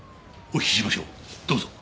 お聞きしましょう。